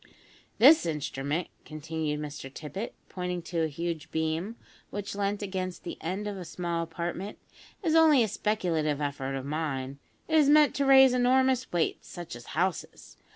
"This instrument," continued Mr Tippet, pointing to a huge beam, which leant against the end of the small apartment, "is only a speculative effort of mine. It is meant to raise enormous weights, such as houses.